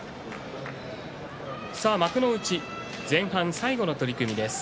幕内前半戦最後の取組です。